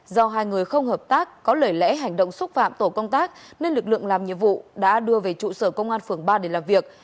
do hai người không hợp tác có lời lẽ hành động xúc phạm tổ công tác nên lực lượng làm nhiệm vụ đã đưa về trụ sở công an phường ba để làm việc